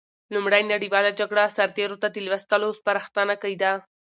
لومړۍ نړیواله جګړه سرتېرو ته د لوستلو سپارښتنه کېده.